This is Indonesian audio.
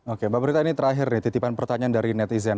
oke mbak berita ini terakhir nih titipan pertanyaan dari netizen